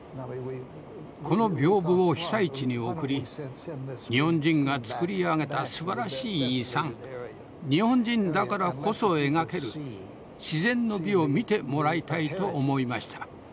この屏風を被災地に送り日本人が作り上げたすばらしい遺産日本人だからこそ描ける自然の美を見てもらいたいと思いました。